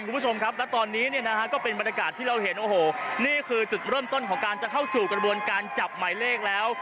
คุณผู้ชมครับและตอนนี้เนี่ยนะฮะก็เป็นบรรยากาศที่เราเห็นโอ้โหนี่คือจุดเริ่มต้นของการจะเข้าสู่กระบวนการจับหมายเลขแล้ว